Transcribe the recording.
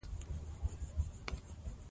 یو موټی شئ.